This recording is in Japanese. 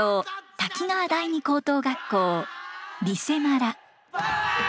滝川第二高等学校「リセマ達」。